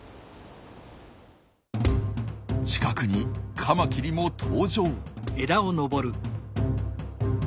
近くにカマキリも登場。